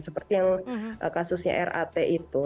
seperti yang kasusnya rat itu